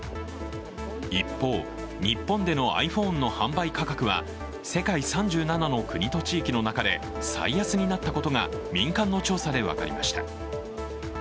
一方、日本でのｉＰｈｏｎｅの販売価格は世界３７の国と地域の中で最安になったことが民間の調査で分かりました。